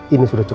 ini sudah cukup